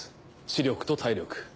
知力と体力。